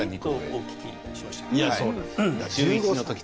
とお聞きしました。